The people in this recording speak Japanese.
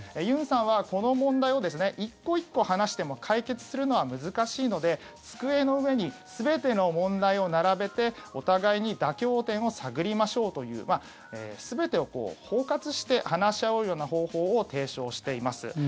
ユンさんはこの問題を１個１個話しても解決するのは難しいので机の上に全ての問題を並べてお互いに妥協点を探りましょうという全てを包括して話し合うような方法を提唱しています。